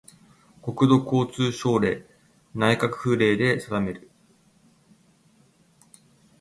国土交通省令・内閣府令で定める